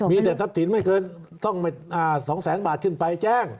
มีแต่ทรัพย์สินไม่เกินต้อง๒แสนบาทขึ้นไปแจ้ง